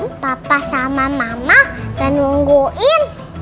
omah papa sama mama udah nungguin